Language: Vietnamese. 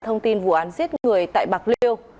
thông tin vụ án giết người tại bạc liêu